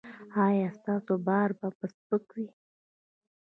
ایا ستاسو بار به سپک وي؟